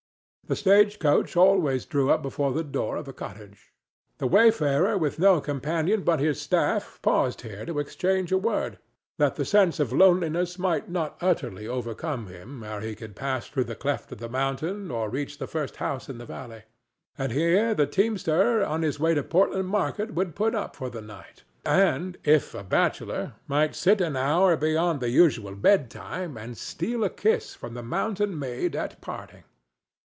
The stage coach always drew up before the door of the cottage. The wayfarer with no companion but his staff paused here to exchange a word, that the sense of loneliness might not utterly overcome him ere he could pass through the cleft of the mountain or reach the first house in the valley. And here the teamster on his way to Portland market would put up for the night, and, if a bachelor, might sit an hour beyond the usual bedtime and steal a kiss from the mountain maid at parting.